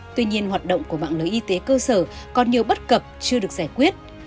tuy nhiên hoạt động của mạng lưới y tế cơ sở còn nhiều bất cập chưa được giải quyết